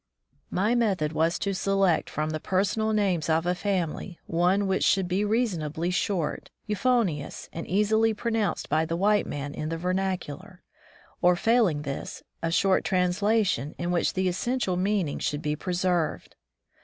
My method was to select from the personal names of a family, one which should be rea 182 The Soul of the White Man sonably short, euphonious, and easily pro nouneed by the white man in the vernacular ; or, failing this, a short translation in which the essential meaning should be preserved.